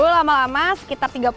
tiga puluh lama lama sekitar tiga puluh